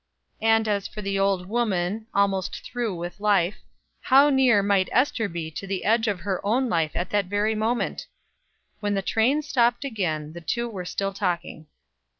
And as for the old woman, almost through with life, how near might Ester be to the edge of her own life at that very moment! When the train stopped again the two were still talking.